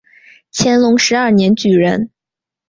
乾隆十二年举人。